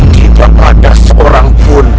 tidak ada seorang pun